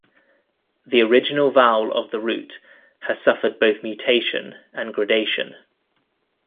The original vowel of the root has suffered both mutation and gradation.